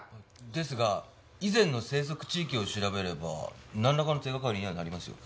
ですが以前の生息地域を調べればなんらかの手掛かりにはなりますよ。